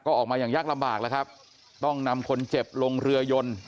ก็ออกมาอย่างยากลำบากแล้วครับต้องนำคนเจ็บลงเรือยน